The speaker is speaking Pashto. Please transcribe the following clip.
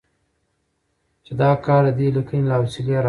چې دا کار د دې ليکنې له حوصلې راوتې